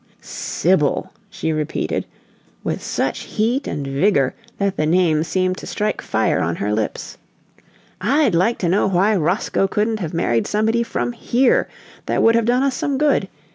"SIBYL!" she repeated, with such heat and vigor that the name seemed to strike fire on her lips. "I'd like to know why Roscoe couldn't have married somebody from HERE that would have done us some good!